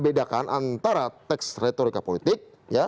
bedakan antara teks retorika politik